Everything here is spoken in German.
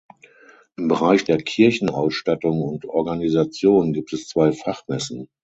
Im Bereich der Kirchenausstattung und Organisation gibt es zwei Fachmessen.